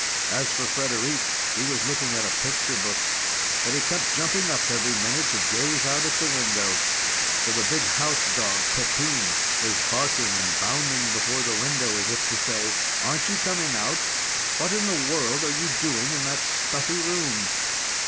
As for Frederic, he was looking at a picture book, but he kept jumping up every minute to gaze out at the window; for the big house dog Pepin was barking and bounding before the window, as if to say: "Aren't you coming out? What in the world are you doing in that stuffy room?"